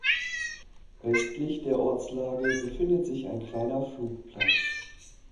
Östlich der Ortslage befindet sich ein kleiner Flugplatz.